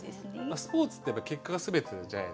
スポーツってやっぱ結果が全てじゃないですか。